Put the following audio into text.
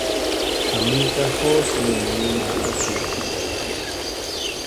Ami ka hoo sene mamina a jub ɗolla.